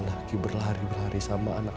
lagi berlari berlari sama anak